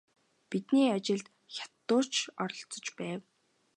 Бидний ажилд хятадууд ч оролцож байв.